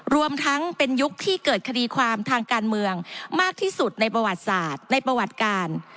รวมทั้งเป็นยุคที่เกิดคดีความทางการเมืองมากที่สุดในประวัติศาสตร์ในประวัติการ